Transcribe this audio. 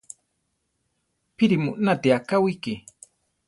¿Píri mu náti akáwiki?